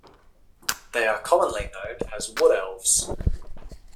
They are commonly known as Wood-elves.